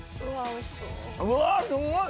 うわぁすんごい！